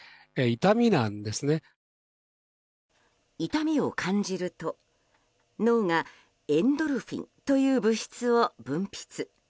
痛みを感じると脳がエンドルフィンという物質を分泌。